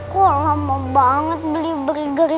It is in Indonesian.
kok lama banget beli burger nya